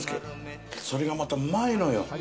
それがまたうまいのよ。